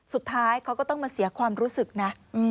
สุดท้ายเขาก็ต้องมาเสียความรู้สึกนะ